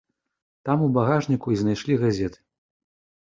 Там у багажніку і знайшлі газеты.